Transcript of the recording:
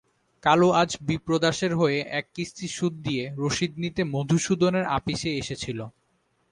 কালু আজ বিপ্রদাসের হয়ে এক কিস্তি সুদ দিয়ে রসিদ নিতে মধুসূদনের আপিসে এসেছিল।